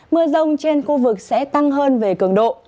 mưa rông trên khu vực sẽ tăng hơn về cường độ